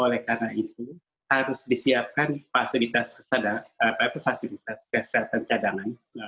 oleh karena itu harus disiapkan fasilitas kesehatan cadangan